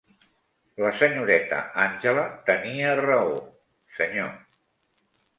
La senyoreta Angela tenia raó, senyor.